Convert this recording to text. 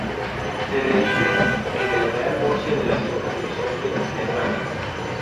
Tenerife, en el Real Murcia de la Segunda División B de España.